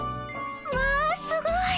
まあすごい。